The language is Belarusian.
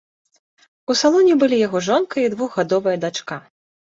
У салоне былі яго жонка і двухгадовая дачка.